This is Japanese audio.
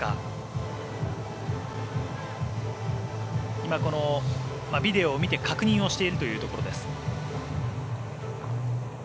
今、ビデオを見て確認をしているところです。